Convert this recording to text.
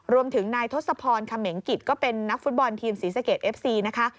รวมถึงนายทศพรเขมงกิจก็เป็นนักฟุตบอลทีมศรีสะเกดเอฟซีนะคะ